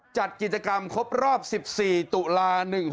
จัดกิจกรรมครบรอบ๑๔ตุลา๑๖๖